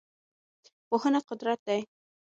پوهنه قدرت دی.